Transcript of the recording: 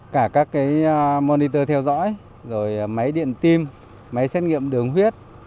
cả các monitor theo dõi rồi máy điện tim máy xét nghiệm đường huyết